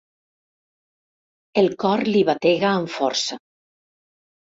El cor li batega amb força.